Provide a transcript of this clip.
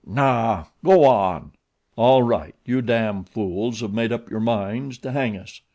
"Naw, go on." "All right! You damn fools have made up your minds to hang us.